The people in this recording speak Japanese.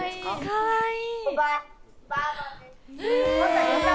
かわいい！